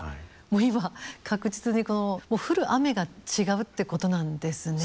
もう今確実にこう降る雨が違うってことなんですね。